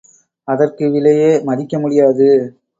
அதற்கு விலையே மதிக்க முடியாது.